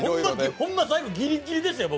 ホンマ、ギリギリですよ、僕。